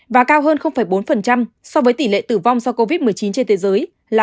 và cao hơn bốn so với tỷ lệ tử vong do covid một mươi chín trên thế giới là